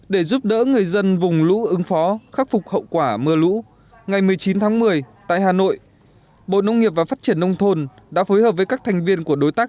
để giúp đỡ người dân vùng lũ ứng phó khắc phục hậu quả mưa lũ ngày một mươi chín tháng một mươi tại hà nội bộ nông nghiệp và phát triển nông thôn đã phối hợp với các thành viên của đối tác